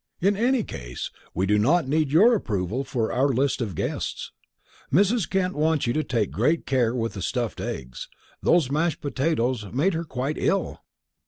In any case, we do not need your approval for our list of guests. Mrs. Kent wants you to take great care with the stuffed eggs. Those mashed potatoes made her quite ill."